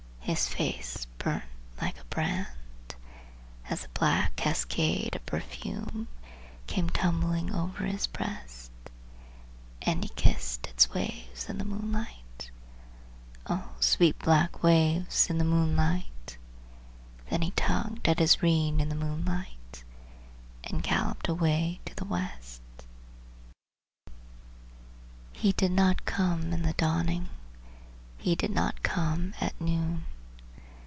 His face burnt like a brand As the sweet black waves of perfume came tumbling o'er his breast, Then he kissed its waves in the moonlight (O sweet black waves in the moonlight!), And he tugged at his reins in the moonlight, and galloped away to the west. He did not come in the dawning; he did not come at noon.